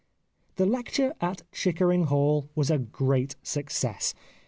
The lecture at Chickering Hall was a great success.